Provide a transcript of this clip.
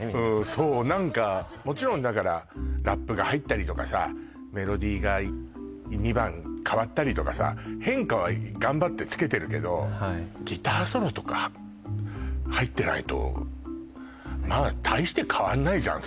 そう何かもちろんだからラップが入ったりとかさメロディーが２番変わったりとかさ変化は頑張ってつけてるけど大して変わんないじゃん